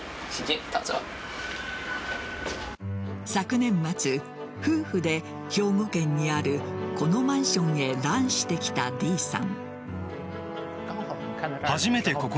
昨年末、夫婦で兵庫県にあるこのマンションへ潤してきたＤさん。